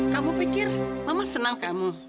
kamu pikir mama senang kamu